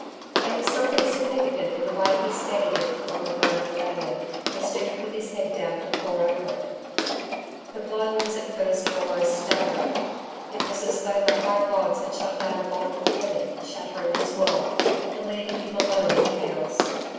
There was something significant in the way he steadied it upon the veranda railing, and stooped with his head down to pore over it. The blow was at first almost staggering. It was as though the high gods had shot down a bolt from heaven, shattering his world, and leaving him alone in Chaos.